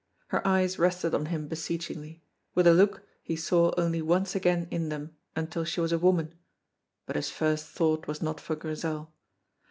Her eyes rested on him beseechingly, with a look he saw only once again in them until she was a woman, but his first thought was not for Grizel.